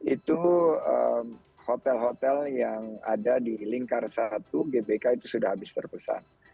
itu hotel hotel yang ada di lingkar satu gbk itu sudah habis terpesan